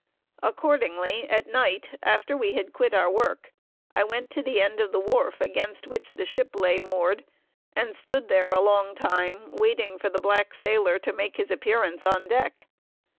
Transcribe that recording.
Accordingly at night after we had quit our work, I went to the end of the wharf against which the ship lay moored, and stood there a long time, waiting for the black sailor to make his appearance on deck.